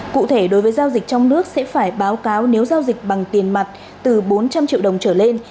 cụ thể đối với giao dịch trong nước sẽ phải báo cáo nếu giao dịch bằng tiền mặt từ bốn trăm linh triệu đồng trở lên